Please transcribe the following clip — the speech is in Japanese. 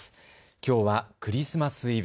きょうはクリスマスイブ。